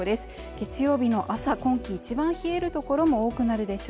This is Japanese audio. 月曜日の朝今季一番冷える所も多くなるでしょ